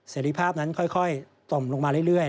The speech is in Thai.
เสร็จภาพนั้นค่อยต่อมลงมาเรื่อย